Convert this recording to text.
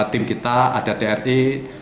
tim kita ada tri